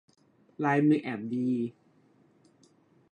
ลายมือแอบดี